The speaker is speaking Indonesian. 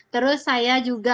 terus saya juga